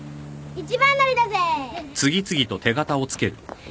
二番乗りだぜぇ！